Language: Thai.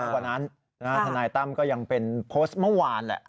กว่านั้นทนายตั้มก็ยังเป็นโพสต์เมื่อวานแหละ